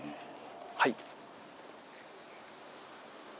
はい。